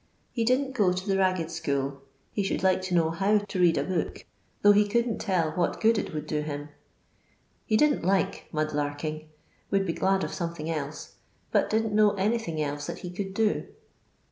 He didn't go to the ragged sdiod ; he should like to know how to read a book, though he couldn't tell what good it would do him. He didn't like mud larking, would be glad of some thing else, but didn't know anything else that he could do.